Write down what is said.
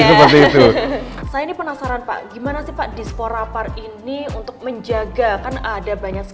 seperti itu saya ini penasaran pak gimana sih pak dispor rapar ini untuk menjaga kan ada banyak